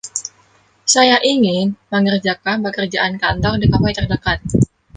saya ingin mengerjakan pekerjaan kantor di kafe terdekat